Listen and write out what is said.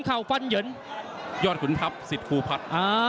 ขุมเข่าฟันเหยิ้นยอดขุมทัพสิทธิ์ภูมิพัดอ่า